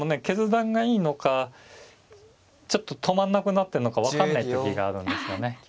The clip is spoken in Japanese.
決断がいいのかちょっと止まんなくなってんのか分かんない時があるんですよね。